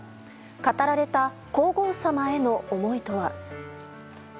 語られた皇后さまへの思いとは。